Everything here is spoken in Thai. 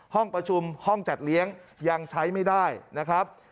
ห้องประชุมห้องจัดเลี้ยงยังใช้ไม่ได้นะครับ